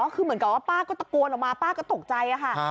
คือเหมือนกับว่าป้าก็ตะโกนออกมาป้าก็ตกใจค่ะ